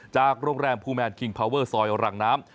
จากโรงแรมภูแมนคิงพาเวอร์ซอยรังน้ำ